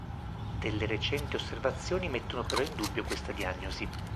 Delle recenti osservazioni mettono però in dubbio questa diagnosi.